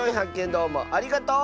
どうもありがとう！